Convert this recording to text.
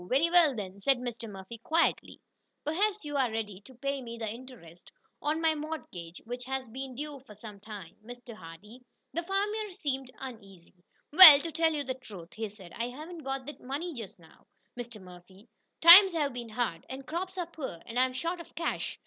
"Very well, then," said Mr. Murphy, quietly, "perhaps you are ready to pay me the interest on my mortgage which has been due me for some time, Mr. Hardee." The farmer seemed uneasy. "Well, to tell you the truth," he said, "I haven't got that money just now, Mr. Murphy. Times have been hard, and crops are poor, and I'm short of cash.